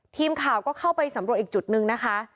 ทีมข่าวก็เข้าไปสำรวจอีกจุดนึงนะคะ